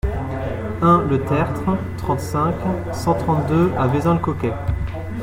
un le Tertre, trente-cinq, cent trente-deux à Vezin-le-Coquet